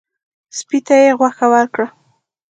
سپي ته یې غوښه ورکړه.